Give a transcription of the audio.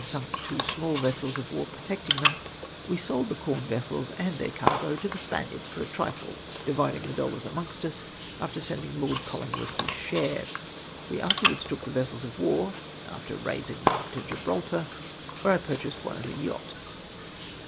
sunk two small sliips of war protecting tlieni — we sold the corn vessels and their cargo to the Spaniards for a triile, dividing tlie dollars amongst ns, after sendmg Lord Colhngwood his sliare. We afterwards took the vessels of war after raising them to Gi]3raltar, where I purchased one as a yaclit.